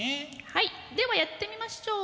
はいではやってみましょう。